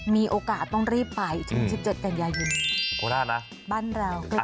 มีโอกาสต้องรีบไปถึง๑๗กันยายน